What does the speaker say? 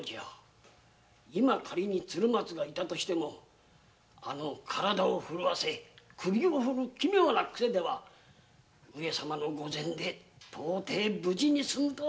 今かりに鶴松がいたとしてもあの体を震わせ首を振る奇妙なクセでは上様の御前で無事にすむとは思えぬ。